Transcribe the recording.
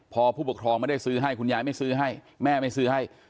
พอผู้ปกครองไม่ได้ซื้อให้คุณยายไม่ซื้อให้แม่ไม่ซื้อให้